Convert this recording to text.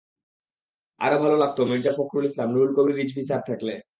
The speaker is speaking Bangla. আরও ভালো লাগত মির্জা ফখরুল ইসলাম, রুহুল কবির রিজভী স্যার থাকলে।